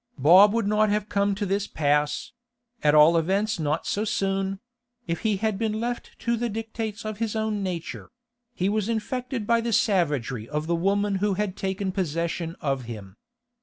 Bob would not have come to this pass—at all events not so soon—if he had been left to the dictates of his own nature; he was infected by the savagery of the woman who had taken possession of him.